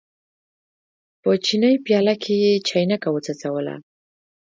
په چیني پیاله کې یې چاینکه وڅڅوله.